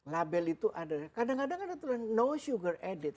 label itu ada kadang kadang ada tuhan know sugar added